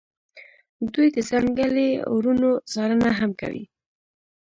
دوی د ځنګلي اورونو څارنه هم کوي